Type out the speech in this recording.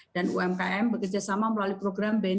dan umkm bekerjasama melalui program bni expora